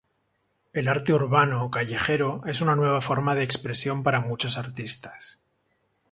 El arte urbano o callejero es una nueva forma de expresión para muchos artistas.